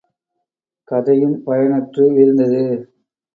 கதையும் பயனற்று வீழ்ந்தது.